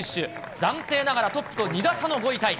暫定ながらトップと２打差の５位タイ。